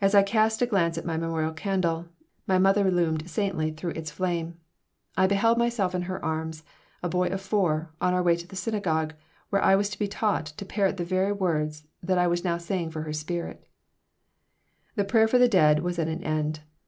As I cast a glance at my "memorial candle" my mother loomed saintly through its flame. I beheld myself in her arms, a boy of four, on our way to the synagogue, where I was to be taught to parrot the very words that I was now saying for her spirit The Prayer for the Dead was at an end.